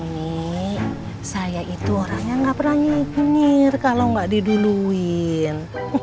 nih saya itu orang yang gak pernah nyikir kalo gak diduluin